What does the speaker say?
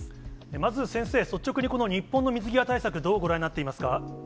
まず先生、率直にこの日本の水際対策、どうご覧になっていますか？